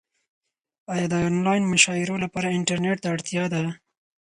ایا د انلاین مشاعرو لپاره انټرنیټ ته اړتیا ده؟